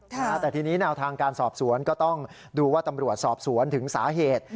แต่ทีนี้แนวทางการสอบสวนก็ต้องดูว่าตำรวจสอบสวนถึงสาเหตุ